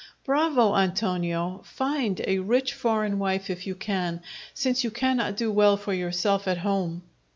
"Bravo, Antonio! Find a rich foreign wife if you can, since you cannot do well for yourself at home!"